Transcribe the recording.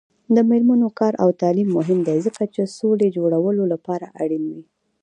د میرمنو کار او تعلیم مهم دی ځکه چې سولې جوړولو لپاره اړین دی.